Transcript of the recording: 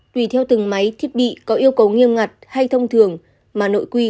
tùy theo từng máy thiết bị có yêu cầu nghiêm ngặt hay thông thường mà nội quy